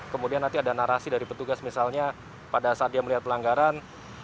kemudian nanti ada narasi dari petugas misalnya pada saat dia melihat pelanggaran